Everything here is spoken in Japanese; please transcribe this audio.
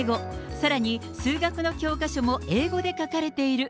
さらに、数学の教科書も英語で書かれている。